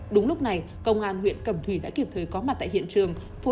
đúng lúc này công an huyện cẩm thủy đã kịp thời có mặt tại hiện trường